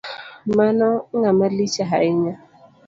Mano ng'amalich hainya.